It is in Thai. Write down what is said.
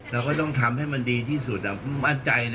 เราก็ต้องทำให้มันดีที่สุดมั่นใจนะ